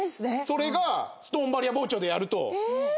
それがストーンバリア包丁でやると。